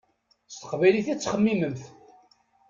S teqbaylit i tettxemmimemt.